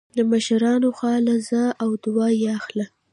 د مشرانو خوا له ځه او دعا يې اخله